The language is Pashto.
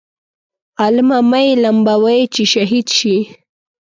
عالمه مه یې لمبوئ چې شهید شي.